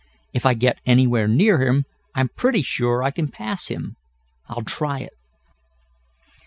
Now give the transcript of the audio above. If I get anywhere near him I'm pretty sure I can pass him. I'll try it."